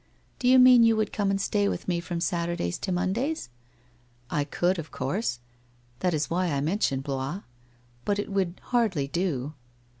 ' Do you mean you would come and stay with me from Saturdays to Mondays ?'' I could, of course. That is why I mentioned Blois. But it would hardly do.'